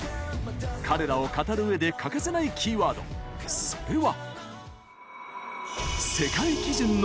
彼らを語るうえで欠かせないキーワード、それは。